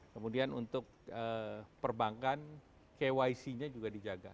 kemudian untuk perbankan kyc nya juga dijaga